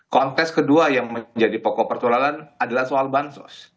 kontes kedua yang menjadi pokok pertularan adalah soal bansos